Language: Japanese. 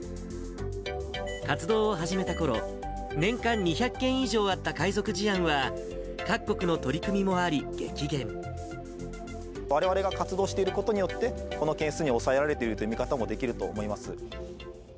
活動を始めたころ、年間２００件以上あった海賊事案は、各国の取り組みもあり、われわれが活動していることによって、この件数に抑えられているという見方もできると思います。